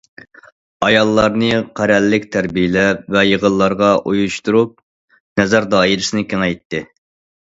ئاياللارنى قەرەللىك تەربىيەلەپ ۋە يىغىنلارغا ئۇيۇشتۇرۇپ، نەزەر دائىرىسىنى كېڭەيتتى.